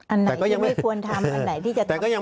อันไหนยังไม่ควรทำอันไหนที่จะทำ